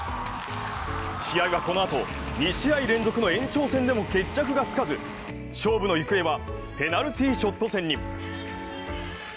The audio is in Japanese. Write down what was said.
試合はこのあと、２試合連続の延長戦でも決着がつかず、勝負の行方はペナルティショット戦に。